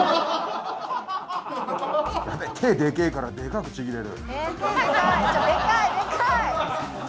やべえ手でけえからでかくちぎれる。